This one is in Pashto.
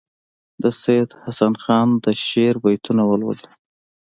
د سیدحسن خان د شعر بیتونه ولولي.